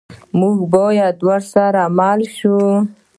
موږ باید ورسره مل شو.